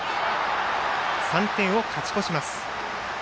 ３点を勝ち越します。